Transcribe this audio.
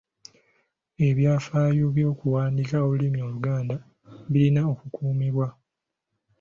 Ebyafaayo by’okuwandiika olulimi Oluganda birina okukuumibwa.